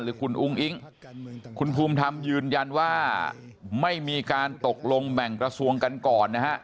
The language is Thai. หรือคุณอุ้งอิ๊งคุณภูมิธรรมยืนยันว่าไม่มีการตกลงแบ่งกระทรวงกันก่อนนะฮะ